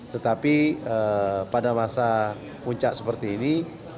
tetapi pada masa puncak seperti ini